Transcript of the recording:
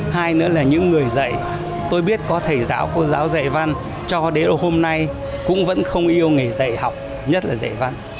hai nữa là những người dạy tôi biết có thầy giáo cô giáo dạy văn cho đến hôm nay cũng vẫn không yêu nghề dạy học nhất là dạy văn